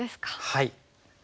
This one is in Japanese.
はい。